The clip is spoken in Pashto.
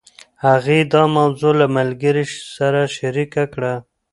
هغې دا موضوع له ملګرې سره شريکه کړه.